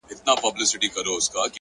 لوړ همت ستړې ورځې کوچنۍ کوي؛